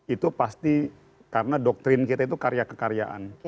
itu pasti karena doktrin kita itu karya kekaryaan